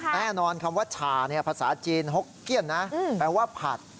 แน่นอนคำว่าฉาภาษาจีนหกเกี้ยนนะแปลว่าผัด